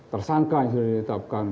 tersangka yang sudah ditetapkan